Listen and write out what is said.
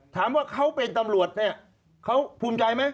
ถามว่าเขาเป็นตำรวจเนี่ยเขาภูมิใจไหม